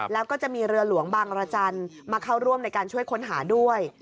แล้วก็จะมีเรือหลวงบางรจันทร์มาเข้าร่วมในการช่วยค้นหาด้วย